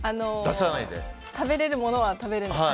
食べれるものは食べれます。